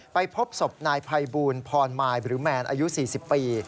ไปพบศพนายไพบูลพรมายบิรุแมนอายุ๔๐ปี